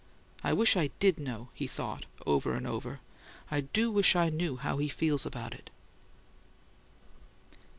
"I wish I DID know," he thought, over and over. "I DO wish I knew how he feels about it."